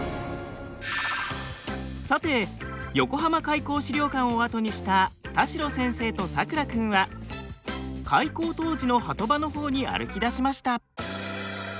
さて横浜開港資料館を後にした田代先生とさくら君は開港当時の波止場のほうに歩きだしました。